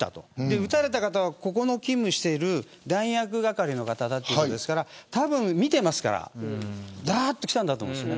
撃たれた方はここに勤務している弾薬係の方だというのでたぶん見ていますからだっと来たと思うんです。